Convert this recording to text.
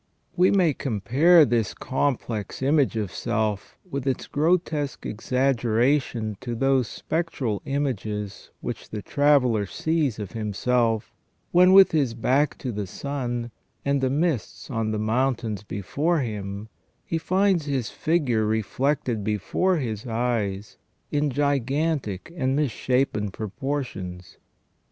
We may compare this complex image of self with its grotesque exaggeration to those spectral images which the traveller sees of himself, when, with his back to the sun, and the mists on the mountains before him, he finds his figure reflected before his eyes in gigantic and misshapen propor tions.